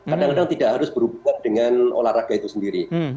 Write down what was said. kadang kadang tidak harus berhubungan dengan olahraga itu sendiri